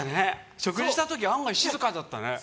食事した時、案外静かだったね。